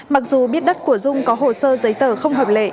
mặc dù biết đất của dung có hồ sơ giấy tờ không hợp lệ